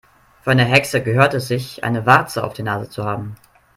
Für eine Hexe gehört es sich, eine Warze auf der Nase zu haben.